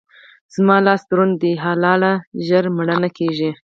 زما لاس دروند دی؛ حلاله ژر مړه نه کېږي.